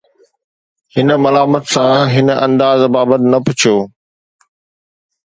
هن ملامت سان هن انداز بابت نه پڇو